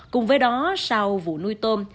cùng với đó sau vụ nuôi tôm